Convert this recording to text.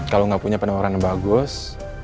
kalau nggak punya penawaran yang bagus